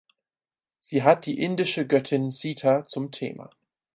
Sie hat die indische Göttin Sita zum Thema.